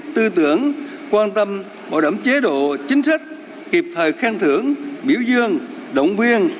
tư tưởng quan tâm bảo đảm chế độ chính sách kịp thời khen thưởng biểu dương động viên